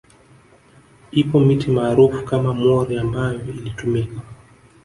Ipo miti maarufu kama mwori ambayo ilitumika